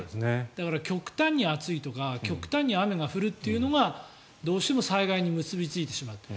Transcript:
だから、極端に暑いとか極端に雨が降るっていうのがどうしても災害に結びついてしまうと。